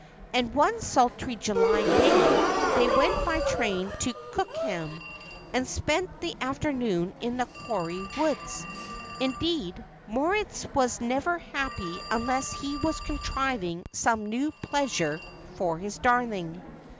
And one sultry July day they went by train to Cookham, and spent the afternoon in the Quarry Woods. Indeed, Moritz was never happy unless he was contriving some new pleasure for his darling.